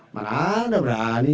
mana ada berani